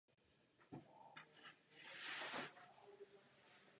Všechny optické jevy jsou tedy vlastně elektromagnetického původu.